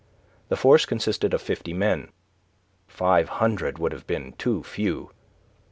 The force consisted of fifty men. Five hundred would have been too few.